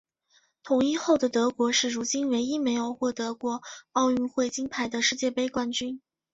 统一后的德国是如今唯一没有获得过奥运会金牌的世界杯冠军。